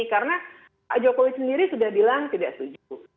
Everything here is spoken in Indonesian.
karena pak jokowi sendiri sudah bilang tidak setuju